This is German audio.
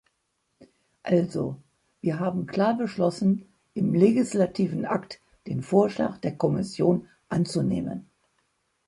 Also, wir haben klar beschlossen, im legislativen Akt den Vorschlag der Kommission anzunehmen.